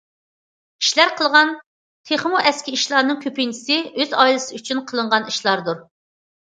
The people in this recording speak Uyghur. كىشىلەر قىلغان تېخىمۇ ئەسكى ئىشلارنىڭ كۆپىنچىسى ئۆز ئائىلىسى ئۈچۈن قىلىنغان ئىشلاردۇر.